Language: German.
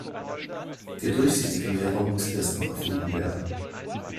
Der durchsichtige Lehrer muss erst noch erfunden werden.